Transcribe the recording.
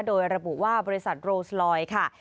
โดยระบุว่าบริษัทโรสลอยค่ะ